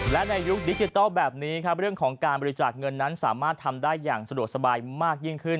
และในยุคดิจิทัลแบบนี้ครับเรื่องของการบริจาคเงินนั้นสามารถทำได้อย่างสะดวกสบายมากยิ่งขึ้น